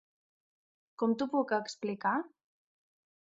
Com t'ho puc explicar?